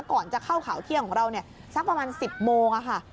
ก่อนจะเข้าข่าวเที่ยงของเราเนี่ยสักประมาณ๑๐โมงค่ะ